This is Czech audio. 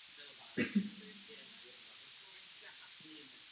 Rovněž hrál na „dánském“ albu amerického trumpetisty Milese Davise nazvaném "Aura".